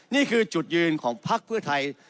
นี่คือจุดยืนของพักเพื่อไทย